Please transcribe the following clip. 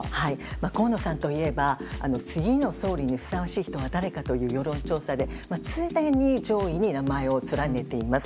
河野さんといえば、次の総理にふさわしい人は誰かという世論調査で、常に上位に名前を連ねています。